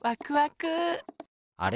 あれ？